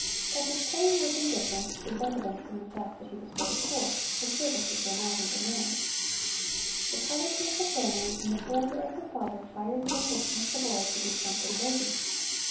That his playing was indifferent is evident from the fact that he was very poor his services were not in demand. The poverty of the family and the failure of the father fired the ambition of the boy to do something worthy.